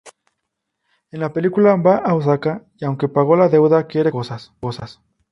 En la Película va a Osaka y aunque pagó la deuda, quiere comprar cosas.